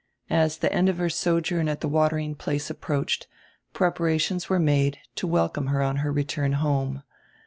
As the end of her sojourn at the watering place approached, prepara tions were made to welcome her on her return home.